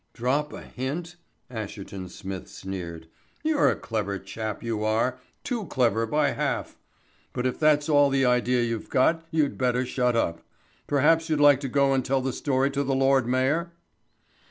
"Drop a hint," Asherton Smith sneered. "You're a clever chap, you are too clever by half. But if that's all the idea you've got you'd better shut up. Perhaps you'd like to go and tell the story to the Lord Mayor?"